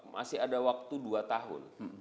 masih ada waktu dua tahun